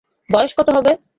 বয়স কত হবে?